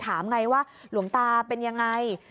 ถามไงว่าหลวงตาเป็นยังไง